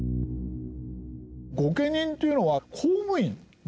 御家人というのは公務員なんですね。